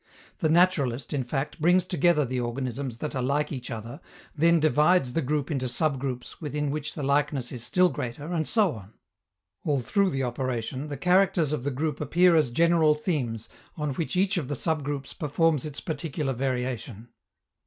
The naturalist, in fact, brings together the organisms that are like each other, then divides the group into sub groups within which the likeness is still greater, and so on: all through the operation, the characters of the group appear as general themes on which each of the sub groups performs its particular variation.